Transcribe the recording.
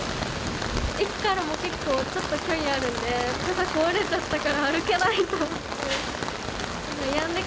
駅からも結構、ちょっと距離があるんで、傘壊れちゃったから歩けないと思って。